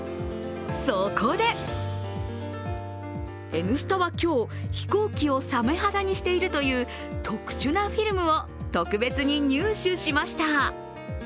そこで、「Ｎスタ」は今日、飛行機をサメ肌にしているという特殊なフィルムを特別に入手しました。